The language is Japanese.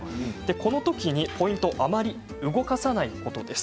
このときにポイントはあまり動かさないことです。